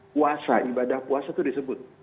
puasa ibadah puasa itu disebut